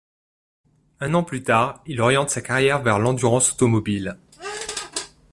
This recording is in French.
Un an plus tard, il oriente sa carrière vers l'endurance automobile.